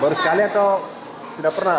baru sekali atau tidak pernah